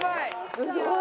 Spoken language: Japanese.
すごい。